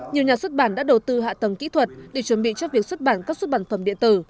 nhiều nhà xuất bản đã đầu tư hạ tầng kỹ thuật để chuẩn bị cho việc xuất bản các xuất bản phẩm địa tử